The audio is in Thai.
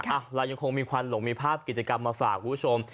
เรายังคงมีควันหลงมีภาพกิจกรรมมาฝากคุณผู้ชม